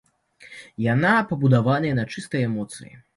Яна пабудаваная на чыстай эмоцыі.